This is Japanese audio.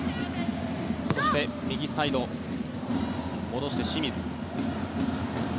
そして、右サイド戻して清水。